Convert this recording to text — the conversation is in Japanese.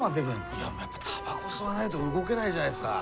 いやタバコ吸わないと動けないじゃないですか。